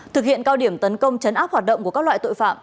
thực hiện cao điểm tấn công chấn áp hoạt động của các loại tội phạm